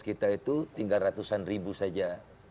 kita itu tinggal ratusan ribu saja